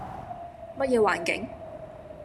乜嘢環境